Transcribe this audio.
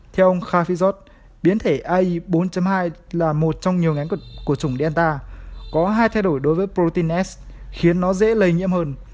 theo ông khafizot biến thể ai bốn trăm linh hai là một trong nhiều ngánh của chủng delta có hai thay đổi đối với protein s khiến nó dễ lây nhiễm hơn